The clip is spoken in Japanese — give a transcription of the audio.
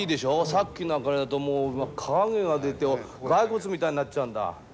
さっきの明かりだともう影が出て骸骨みたいになっちゃうんだ。